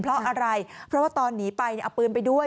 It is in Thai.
เพราะอะไรเพราะว่าตอนหนีไปเอาปืนไปด้วย